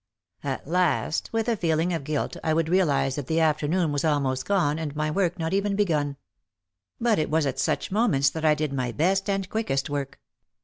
At last with a feeling of guilt I would realise that the afternoon was almost gone and my work not even begun. But it was at such moments that I did my best and quickest work.